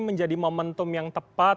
menjadi momentum yang tepat